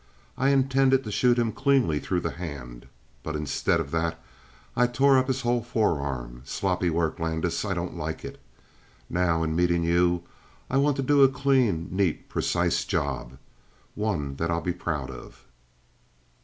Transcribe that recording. I intended to shoot him cleanly through the hand, but instead of that I tore up his whole forearm. Sloppy work, Landis. I don't like it. Now, in meeting you, I want to do a clean, neat, precise job. One that I'll be proud of."